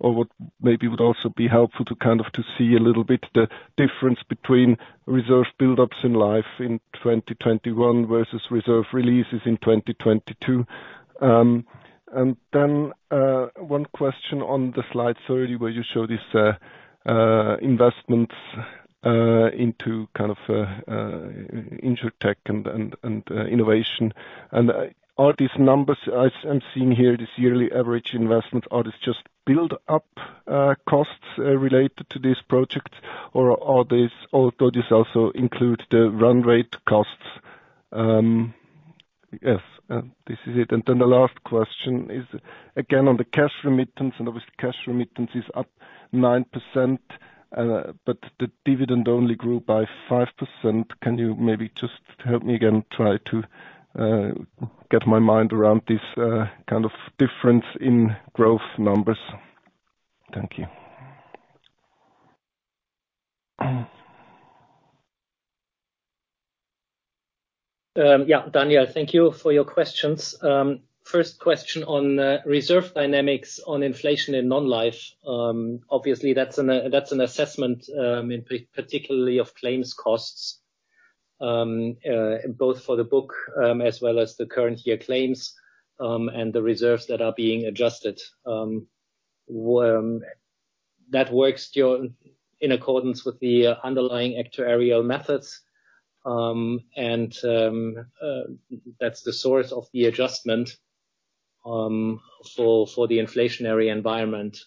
What maybe would also be helpful to see a little bit the difference between reserve buildups in life in 2021 versus reserve releases in 2022. One question on the Slide 30, where you show these investments into tech and innovation. Are these numbers I'm seeing here, this yearly average investment, are this just build up costs related to this project? Or does this also include the run rate costs? Yes, this is it. The last question is, again, on the cash remittance, and obviously cash remittance is up 9%, but the dividend only grew by 5%. Can you maybe just help me again try to get my mind around this kind of difference in growth numbers? Thank you. Yeah. Daniel, thank you for your questions. First question on reserve dynamics on inflation in non-life. Obviously, that's an assessment, particularly of claims costs, both for the book, as well as the current year claims, and the reserves that are being adjusted. That works in accordance with the underlying actuarial methods, and that's the source of the adjustment for the inflationary environment.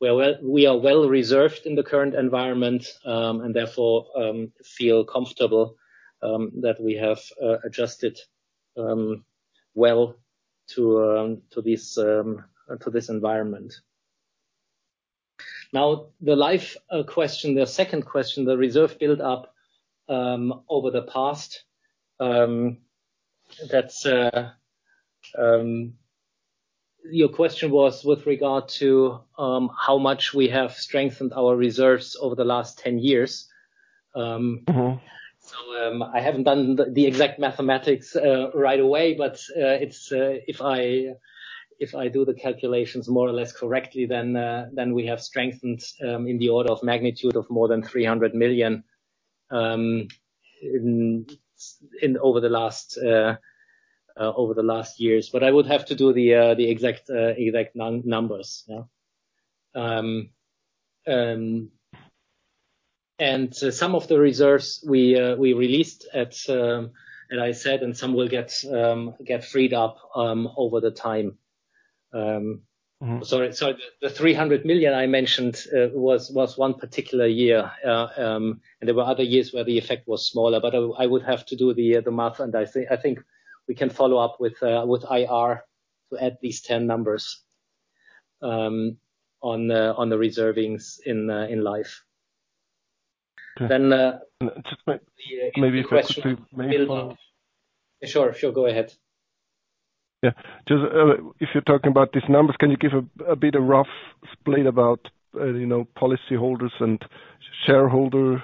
We are well reserved in the current environment, and therefore, feel comfortable that we have adjusted well to this environment. Now, the life question, the second question, the reserve buildup over the past, that's... Your question was with regard to, how much we have strengthened our reserves over the last 10 years. Mm-hmm. I haven't done the exact mathematics right away, but it's if I do the calculations more or less correctly, then we have strengthened in the order of magnitude of more than 300 million over the last years. I would have to do the exact numbers. Yeah. Some of the reserves we released at as I said, and some will get freed up over the time. Mm-hmm. Sorry. The 300 million I mentioned was 1 particular year. There were other years where the effect was smaller. I would have to do the math. I think we can follow up with IR to add these 10 numbers on the reservings in life. Okay. Then, uh- Just maybe a question? The question on buildup. Sure, sure. Go ahead. Yeah. Just, if you're talking about these numbers, can you give a bit of rough split about, you know, policyholders and shareholder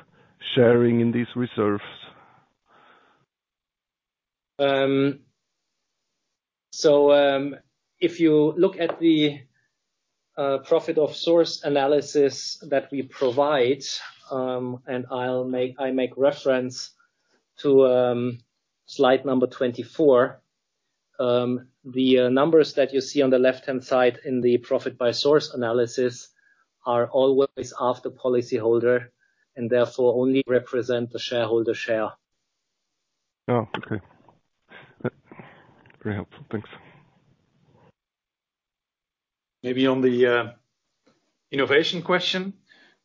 sharing in these reserves? If you look at the profit by source analysis that we provide, I make reference to Slide 24, the numbers that you see on the left-hand side in the profit by source analysis are always after policyholder, and therefore only represent the shareholder share. Oh, okay. Very helpful. Thanks. Maybe on the innovation question.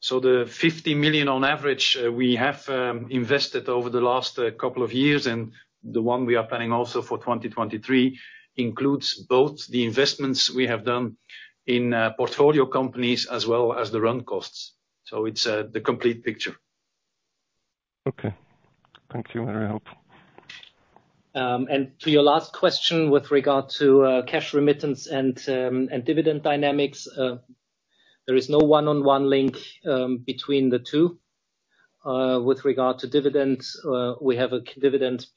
The 50 million on average, we have invested over the last couple of years, and the one we are planning also for 2023, includes both the investments we have done in portfolio companies as well as the run costs. It's the complete picture. Okay. Thank you. Very helpful. To your last question with regard to cash remittance and dividend dynamics, there is no one-on-one link between the two. With regard to dividends, we have a dividend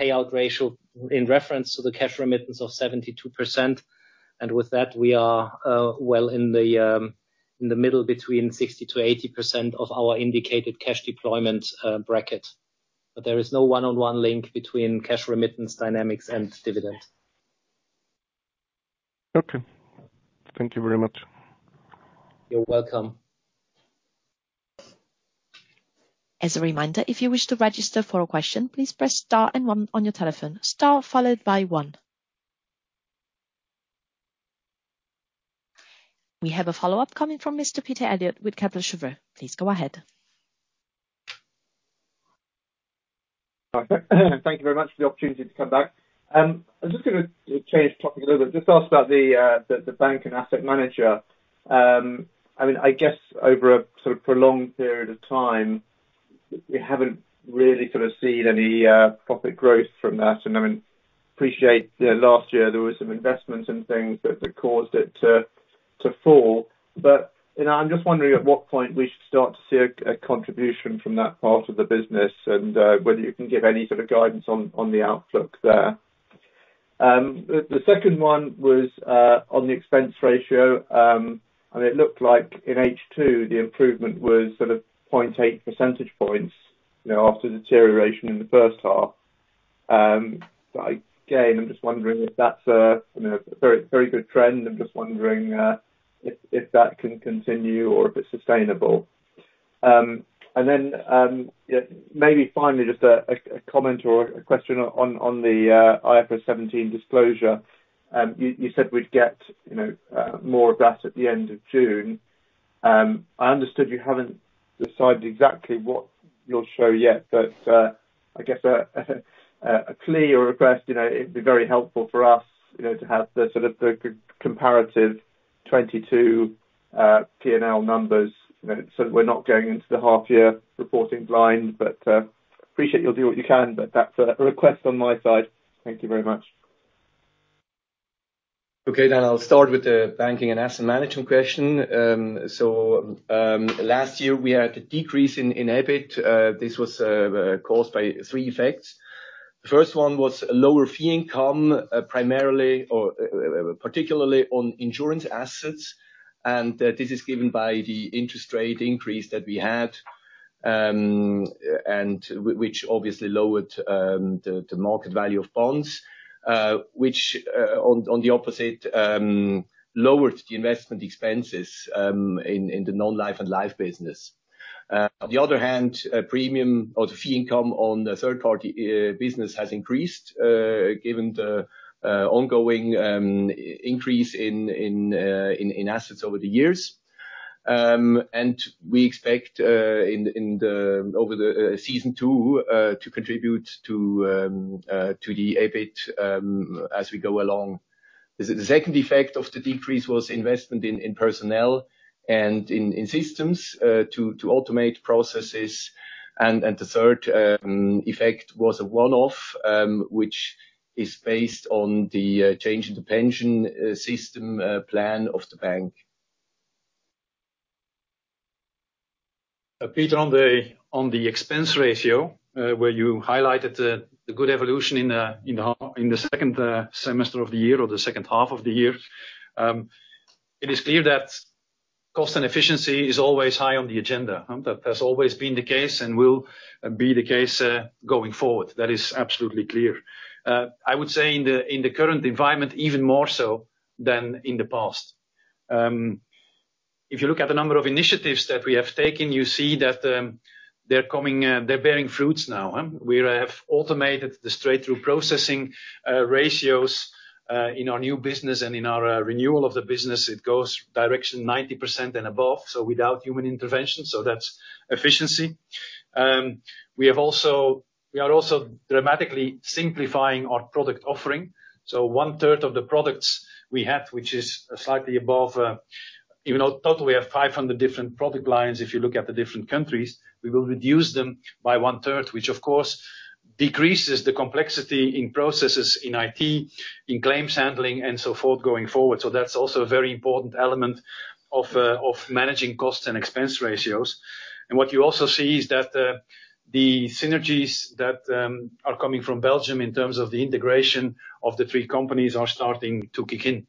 payout ratio in reference to the cash remittance of 72%. With that, we are well in the middle between 60%-80% of our indicated cash deployment bracket. There is no one-on-one link between cash remittance dynamics and dividend. Okay. Thank you very much. You're welcome. As a reminder, if you wish to register for a question, please press star and one on your telephone, star followed by one. We have a follow-up coming from Mr. Peter Eliot with Kepler Cheuvreux. Please go ahead. Hi. Thank you very much for the opportunity to come back. I'm just gonna change topic a little bit. Just ask about the bank and asset manager. I mean, I guess over a sort of prolonged period of time, we haven't really sort of seen any profit growth from that. I mean, appreciate, you know, last year there were some investments and things that caused it to fall. You know, I'm just wondering at what point we should start to see a contribution from that part of the business, and whether you can give any sort of guidance on the outlook there. The second one was on the expense ratio. It looked like in H2 the improvement was sort of 0.8% points, you know, after deterioration in the first half. Again, I'm just wondering if that's a, you know, a very, very good trend. I'm just wondering if that can continue or if it's sustainable. Then, yeah, maybe finally just a comment or a question on the IFRS 17 disclosure. You said we'd get, you know, more of that at the end of June. I understood you haven't decided exactly what you'll show yet, but I guess a plea or a request, you know, it'd be very helpful for us, you know, to have the sort of the comparative 22 P&L numbers, you know, so we're not going into the half year reporting blind. Appreciate you'll do what you can, but that's a request on my side. Thank you very much. I'll start with the banking and asset management question. Last year we had a decrease in EBIT. This was caused by three effects. The first one was lower fee income, primarily or particularly on insurance assets. This is given by the interest rate increase that we had, and which obviously lowered the market value of bonds. Which, on the opposite, lowered the investment expenses in the non-life and life business. On the other hand, a premium or the fee income on the third-party business has increased, given the ongoing increase in assets over the years. We expect, over the Season 2, to contribute to the EBIT as we go along. The second effect of the decrease was investment in personnel and in systems to automate processes. The third effect was a one-off, which is based on the change in the pension system plan of the bank. Peter, on the expense ratio, where you highlighted the good evolution in the second semester of the year or the second half of the year, it is clear that cost and efficiency is always high on the agenda. That has always been the case and will be the case going forward. That is absolutely clear. I would say in the current environment, even more so than in the past. If you look at the number of initiatives that we have taken, you see that they're coming, they're bearing fruits now. We have automated the straight-through processing ratios in our new business and in our renewal of the business. It goes direction 90% and above, so without human intervention, so that's efficiency. We are also dramatically simplifying our product offering. One-third of the products we have, which is slightly above, even though total we have 500 different product lines, if you look at the different countries, we will reduce them by one-third, which of course decreases the complexity in processes in IT, in claims handling, and so forth going forward. That's also a very important element of managing costs and expense ratios. What you also see is that the synergies that are coming from Belgium in terms of the integration of the three companies are starting to kick in.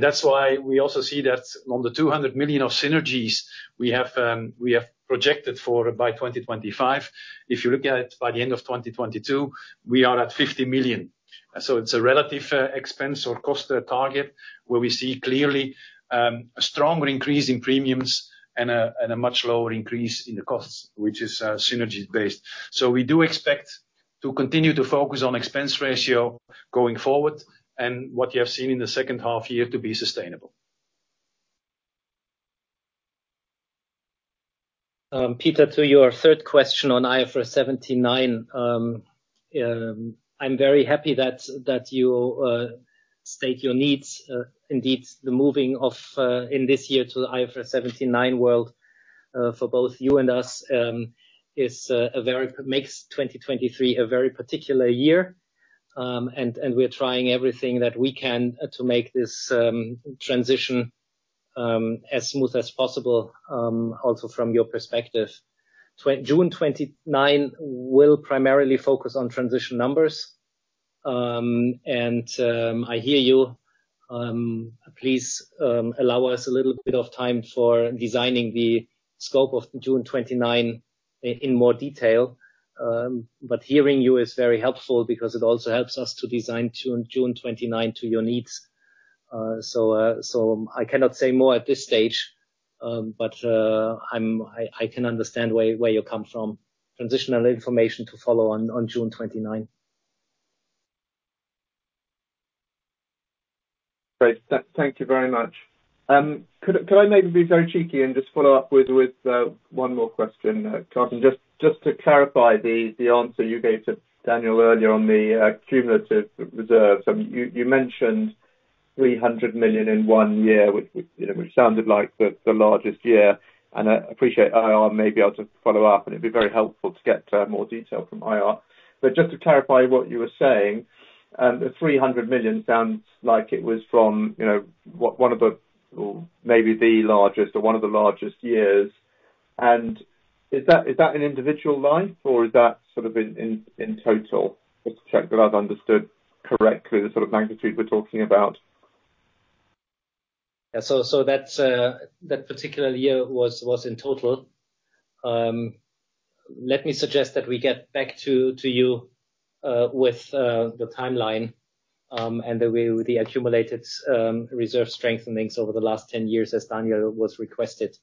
That's why we also see that on the 200 million of synergies we have projected for by 2025. If you look at it by the end of 2022, we are at 50 million. It's a relative expense or cost target where we see clearly a stronger increase in premiums and a much lower increase in the costs, which is synergy-based. We do expect to continue to focus on expense ratio going forward and what you have seen in the second half year to be sustainable. Peter, to your third question on IFRS 9, I'm very happy that you state your needs. Indeed, the moving of in this year to the IFRS 9 world for both you and us is a very particular year. We are trying everything that we can to make this transition as smooth as possible also from your perspective. June 29 will primarily focus on transition numbers. I hear you. Please allow us a little bit of time for designing the scope of the June 29 in more detail, hearing you is very helpful because it also helps us to design June 29 to your needs. I cannot say more at this stage. I can understand where you come from. Transitional information to follow on June 29. Great. Thank you very much. Could I maybe be very cheeky and just follow up with one more question, Carson, to clarify the answer you gave to Daniel earlier on the cumulative reserves. You mentioned 300 million in 1 year, which, you know, which sounded like the largest year. I appreciate IR may be able to follow up, and it'd be very helpful to get more detail from IR. Just to clarify what you were saying, the 300 million sounds like it was from, you know, one of the or maybe the largest or one of the largest years. Is that an individual line or is that sort of in total? Just to check that I've understood correctly the sort of magnitude we're talking about. Yeah. That's that particular year was in total. Let me suggest that we get back to you with the timeline and the way the accumulated reserve strengthenings over the last 10 years as Daniel was requested.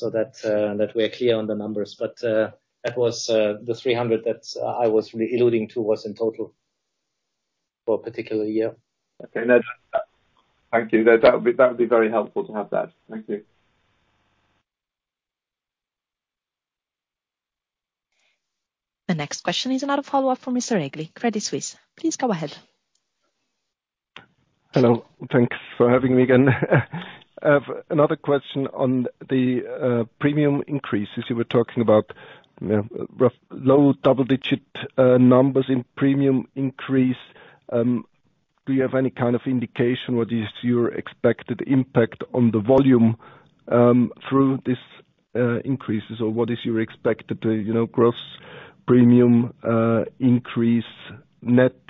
That we are clear on the numbers. That was the 300 that I was alluding to was in total for a particular year. Okay. Thank you. That would be very helpful to have that. Thank you. The next question is another follow-up from Mr. Regli, Credit Suisse. Please go ahead. Hello. Thanks for having me again. I have another question on the premium increase. You see we're talking about, you know, rough low double-digit numbers in premium increase. Do you have any kind of indication what is your expected impact on the volume through this increases? What is your expected, you know, gross premium increase net,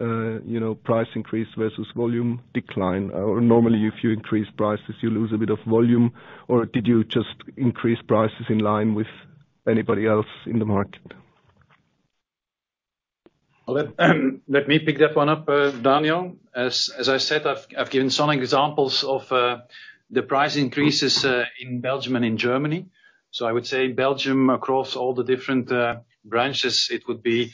you know, price increase versus volume decline? Normally if you increase prices, you lose a bit of volume. Did you just increase prices in line with anybody else in the market? Let me pick that one up, Daniel. As I said, I've given some examples of the price increases in Belgium and in Germany. I would say Belgium across all the different branches it would be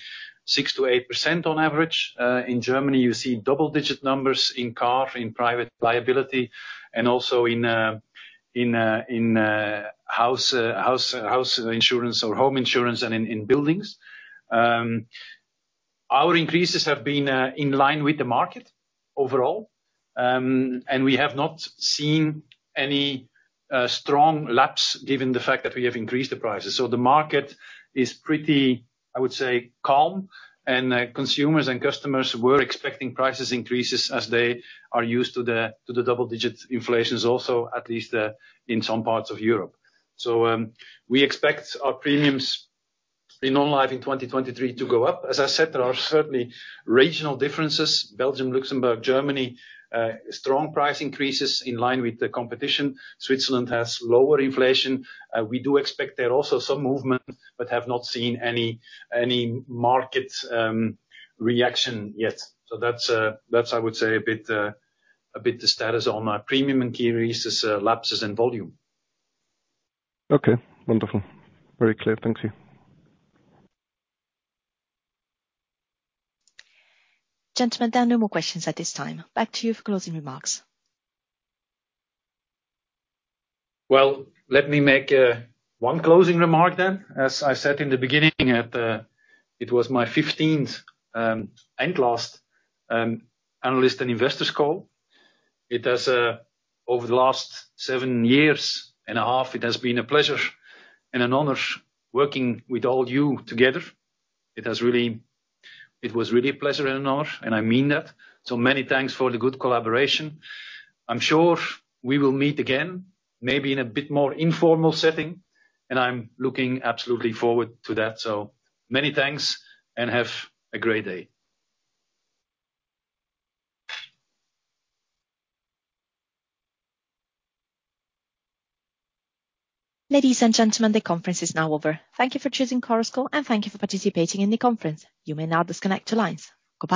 6%-8% on average. In Germany you see double-digit numbers in car, in private liability, and also in house insurance or home insurance and in buildings. Our increases have been in line with the market overall. We have not seen any strong lapse given the fact that we have increased the prices. The market is pretty, I would say, calm, and consumers and customers were expecting prices increases as they are used to the double-digit inflations also, at least, in some parts of Europe. We expect our premiums in non-life in 2023 to go up. As I said, there are certainly regional differences. Belgium, Luxembourg, Germany, strong price increases in line with the competition. Switzerland has lower inflation. We do expect there also some movement but have not seen any market reaction yet. That's I would say a bit the status on our premium increases, lapses and volume. Okay, wonderful. Very clear. Thank you. Gentlemen, there are no more questions at this time. Back to you for closing remarks. Well, let me make one closing remark then. As I said in the beginning, it was my 15th and last analyst and investors call. It has over the last seven years and a half, it has been a pleasure and an honor working with all you together. It was really a pleasure and an honor, and I mean that. Many thanks for the good collaboration. I'm sure we will meet again, maybe in a bit more informal setting. I'm looking absolutely forward to that. Many thanks. Have a great day. Ladies and gentlemen, the conference is now over. Thank you for choosing Chorus Call, and thank you for participating in the conference. You may now disconnect your lines. Goodbye.